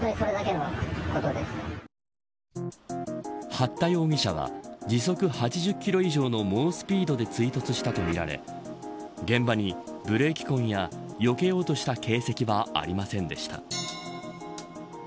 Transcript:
八田容疑者は時速８０キロ以上の猛スピードで追突したとみられ現場にブレーキ痕やよけようとした形跡はありませんでした。